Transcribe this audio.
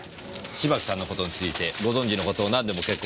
芝木さんの事についてご存じの事何でも結構です。